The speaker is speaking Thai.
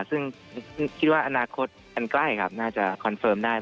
ซึ่งคิดว่าอนาคตอันใกล้ครับน่าจะคอนเฟิร์มได้